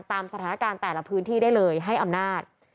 ตามสถานการณ์แต่ละพื้นที่ได้เลยให้อำนาจ